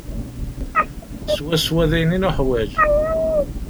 Swaswa d ayen i nuḥwaǧ.